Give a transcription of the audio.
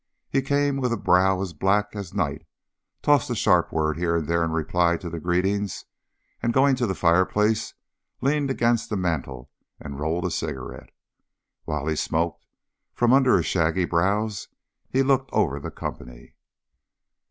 He came with a brow as black as night, tossed a sharp word here and there in reply to the greetings, and going to the fireplace leaned against the mantel and rolled a cigarette. While he smoked, from under his shaggy brows he looked over the company.